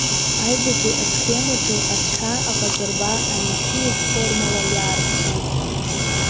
Аҩбатәи асхьемаҿы азҳәа аҟаҵарба аинфиниттә формала иаарԥшуп…